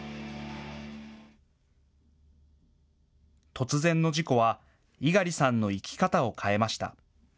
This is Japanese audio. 突然の事故は、猪狩さんの生き方を変えました。